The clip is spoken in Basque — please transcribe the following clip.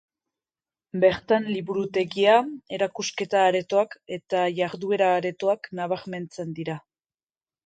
Bertan liburutegia, erakusketa aretoak eta jarduera aretoak nabarmentzen dira.